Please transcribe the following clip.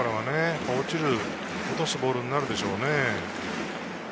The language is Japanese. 落とすボールになるでしょうね。